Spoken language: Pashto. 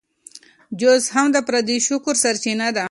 جوس هم د فري شوګر سرچینه ده.